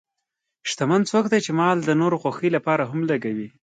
شتمن څوک دی چې مال د نورو خوښۍ لپاره هم لګوي.